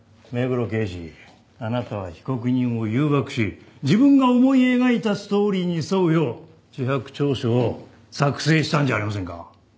刑事あなたは被告人を誘惑し自分が思い描いたストーリーに沿うよう自白調書を作成したんじゃありませんか？